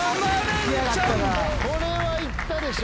これはいったでしょ。